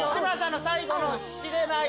最後の「しれない」